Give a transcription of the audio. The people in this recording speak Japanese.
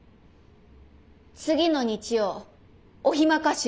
次の日曜お暇かしら？